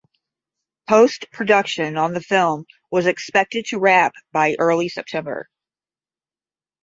Post production on the film was expected to wrap by early September.